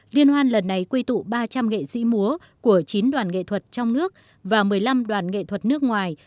liên hoan lần này quy tụ ba trăm linh nghệ sĩ múa của chín đoàn nghệ thuật trong nước và một mươi năm đoàn nghệ thuật nước ngoài